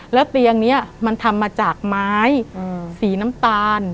แล้วเตียงนี้มันทำมาจากไม้สีน้ำตาล